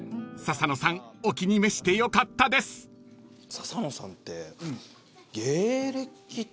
笹野さんって。